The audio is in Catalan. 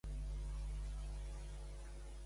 Què pot passar si es nomena un suplent de Puigdemont?